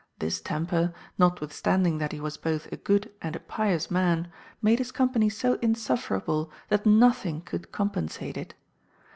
This temper, notwithstanding that he was both a good and a pious man, made his company so insufferable that nothing could compensate it.